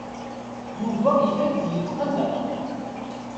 Yuba ikad-d yetqelleq.